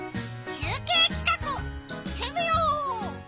中継企画、いってみよう！